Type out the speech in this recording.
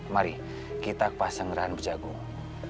mari kita ke pasang gerahan berjagung